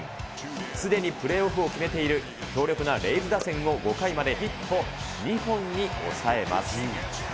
すでにプレーオフを決めている強力なレイズ打線を５回までヒット２本に抑えます。